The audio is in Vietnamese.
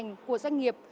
đồng hành của doanh nghiệp